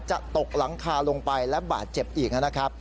จะตกหลังคาลงไปและบาดเจ็บอีก